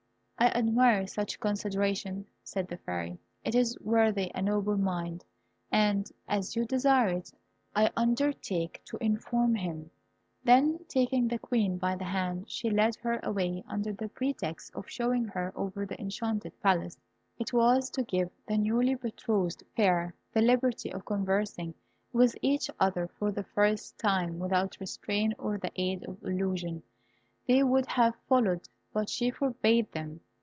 "I admire such consideration," said the Fairy; "it is worthy a noble mind, and as you desire it, I undertake to inform him." Then taking the Queen by the hand, she led her away, under the pretext of showing her over the enchanted Palace. It was to give the newly betrothed pair the liberty of conversing with each other for the first time without restraint or the aid of illusion. They would have followed, but she forbade them.